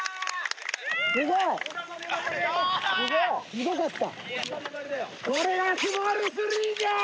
すごかった。